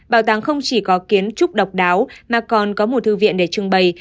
bảo tàng không chỉ có kiến trúc độc đáo mà còn có một thư viện để trưng bày